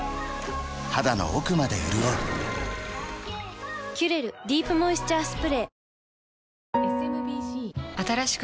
肌の奥まで潤う「キュレルディープモイスチャースプレー」